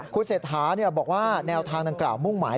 คุณเศรษฐาบอกว่าแนวทางดังกล่าวมุ่งหมาย